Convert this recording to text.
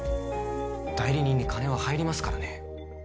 代理人に金は入りますからね